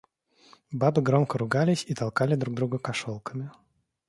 Бабы громко ругались и толкали друг друга кошелками.